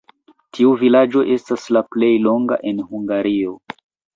Tiu vilaĝo estas la plej longa en Hungario.